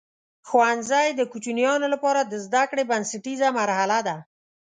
ښوونځی د کوچنیانو لپاره د زده کړې بنسټیزه مرحله ده.